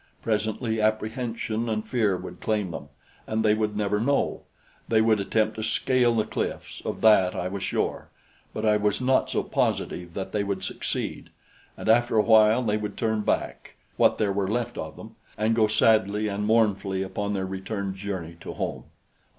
Presently apprehension and fear would claim them and they would never know! They would attempt to scale the cliffs of that I was sure; but I was not so positive that they would succeed; and after a while they would turn back, what there were left of them, and go sadly and mournfully upon their return journey to home.